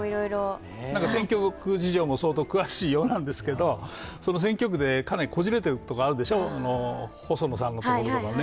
選挙区事情も相当詳しいようなんですけど選挙区でかなりこじれているところがあるでしょう、細野さんのところとかね。